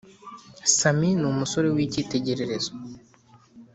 sammy ni umusore wikitegererezo